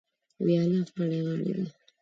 وياله غاړې غاړې ده.